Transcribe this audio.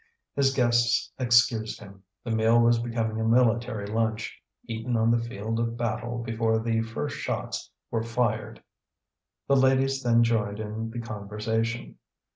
His guests excused him; the meal was becoming a military lunch, eaten on the field of battle before the first shots were fired. The ladies then joined in the conversation.